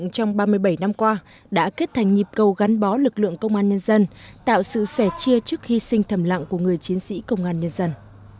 trong ba mươi bảy năm qua đã kết thành nhịp cầu gắn bó lực lượng công an nhân dân tạo sự sẻ chia trước hy sinh thầm lặng của người chiến sĩ công an nhân dân